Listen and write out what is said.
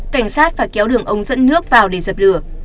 cảnh sát phải kéo đường ống dẫn nước vào để dập lửa